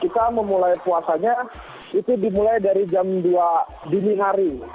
kita memulai puasanya itu dimulai dari jam dua dini hari